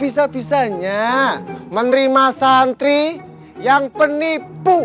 bisa bisanya menerima santri yang penipu